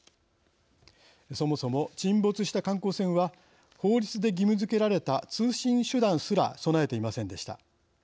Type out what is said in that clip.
そもそも沈没した観光船は法律で義務づけられた通信手段すら備えていませんでした。